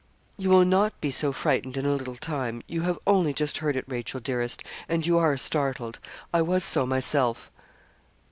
'You will not be so frightened in a little time. You have only just heard it, Rachel dearest, and you are startled. I was so myself.'